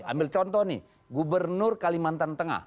ambil contoh nih gubernur kalimantan tengah